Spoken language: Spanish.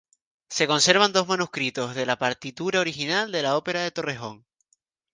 Se conservan dos manuscritos de la partitura original de la ópera de Torrejón.